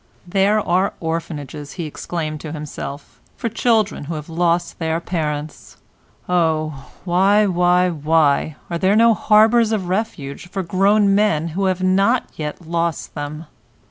"There are orphanages," he exclaimed to himself, "for children who have lost their parents—oh! why, why, why, are there no harbours of refuge for grown men who have not yet lost them?"